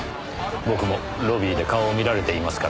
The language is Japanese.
僕もロビーで顔を見られていますから。